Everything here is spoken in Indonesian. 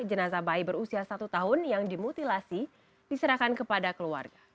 jenazah bayi berusia satu tahun yang dimutilasi diserahkan kepada keluarga